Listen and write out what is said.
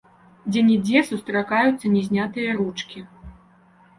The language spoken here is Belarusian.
Дзе-нідзе сустракаюцца не знятыя ручкі.